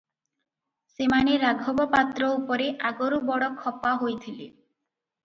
ସେମାନେ ରାଘବ ପାତ୍ର ଉପରେ ଆଗରୁ ବଡ଼ ଖପା ହୋଇଥିଲେ ।